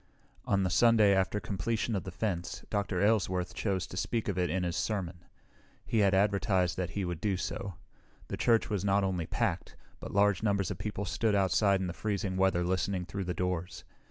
On the Sunday after completion of the fence, Dr. Aylesworth chose to speak of it in his sermon. He had advertised that he would do so. The church was not only packed, but large numbers of people stood outside in the freezing weather listening through the doors.